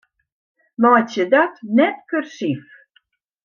Meitsje dat net kursyf.